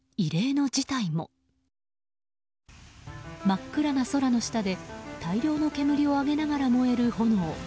真っ暗な空の下で大量の煙を上げながら燃える炎。